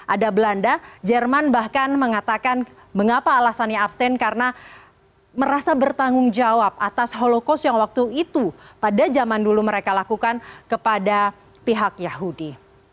ada belanda jerman bahkan mengatakan mengapa alasannya abstain karena merasa bertanggung jawab atas holocos yang waktu itu pada zaman dulu mereka lakukan kepada pihak yahudi